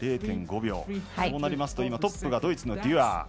そうなりますと今、トップがドイツのデュアー。